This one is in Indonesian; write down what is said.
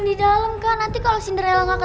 kita cuma alusinasi kak